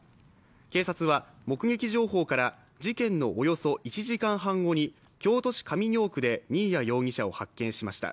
警察は目撃情報から事件のおよそ１時間半後に京都市上京区で新谷容疑者を発見しました。